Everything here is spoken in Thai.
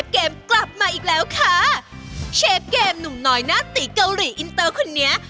เกมกลับมาอีกแล้วค่ะเชฟเกมหนุ่มน้อยหน้าตีเกาหลีอินเตอร์คนนี้